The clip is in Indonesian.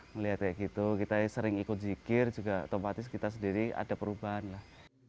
melihat kayak gitu kita sering ikut zikir juga otomatis kita sendiri ada perubahan lah